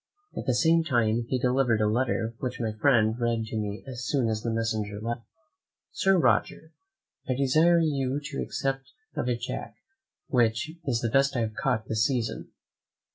At the same time he delivered a letter which my friend read to me as soon as the messenger left him. "Sir Roger, "I desire you to accept of a jack, which is the best I have caught this season.